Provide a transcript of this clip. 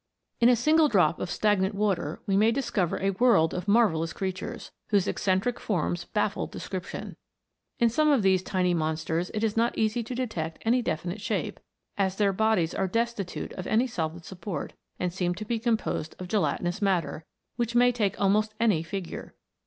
In a single drop of stagnant water we may dis cover a world of marvellous creatures, whose eccen tric forms baffle description. In some of these tiny monsters it is not easy to detect any definite shape, as their bodies are destitute of any solid support, and seem to be composed of gelatinous matter, which may take almost any figure.